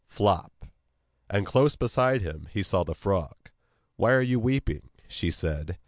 Flop! and close beside him, he saw the frog. 'Why are you weeping?' she said.